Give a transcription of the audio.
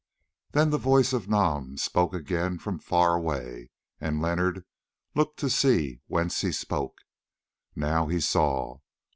Then the voice of Nam spoke again from far away, and Leonard looked to see whence he spoke. Now he saw.